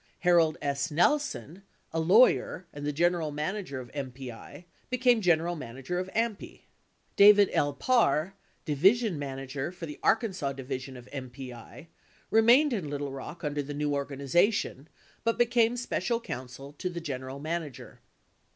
Harold S. Nelson, a laAvyer and the general manager of MPI, became general manager of AMPI. David L. Parr, division manager for the Arkansas division of MPI, remained in Little Bock under the new organization, but became special counsel to the general manager.